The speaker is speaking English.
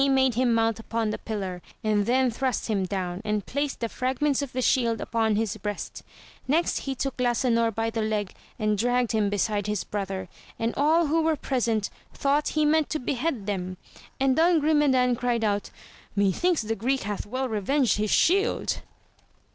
43 made Ilim mount upon the pillar, and then thrust him down, and placed the fragments of the shield upon his breast ; next he took Lasanor by the leg and dragged him beside his brother, and all "who were present thoughtjhe meant to behead them. And Don Grume dan cried out, methinks the Greek hath well revenged his shield